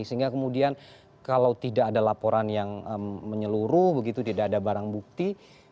sehingga kemudian kalau tidak ada laporan yang menyeluruh begitu tidak ada barang bukti